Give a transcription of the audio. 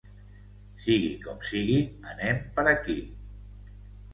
Sigui com sigui, anem per aquí.